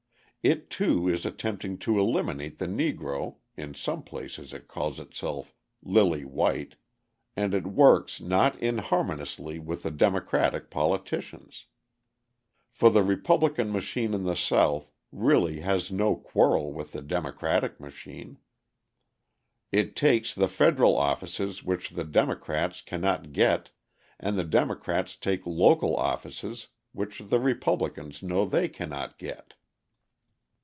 It, too, is attempting to eliminate the Negro (in some places it calls itself "lily white"), and it works not inharmoniously with the Democratic politicians. For the Republican machine in the South really has no quarrel with the Democratic machine; it takes the federal offices which the Democrats cannot get, and the Democrats take local offices which the Republicans know they cannot get.